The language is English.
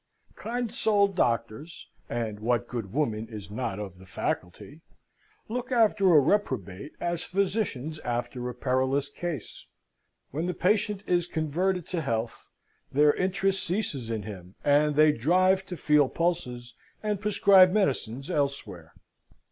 Kind souled doctors (and what good woman is not of the faculty?) look after a reprobate as physicians after a perilous case. When the patient is converted to health their interest ceases in him, and they drive to feel pulses and prescribe medicines elsewhere.